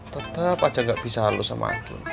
tetep aja gak bisa halus sama aduh